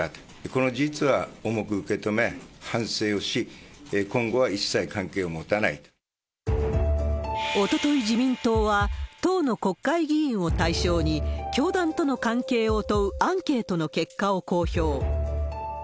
この事実は重く受け止め、反省をし、おととい、自民党は党の国会議員を対象に、教団との関係を問うアンケートの結果を公表。